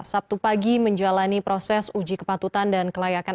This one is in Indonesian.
sabtu pagi menjalani proses uji kepatutan dan kelayakan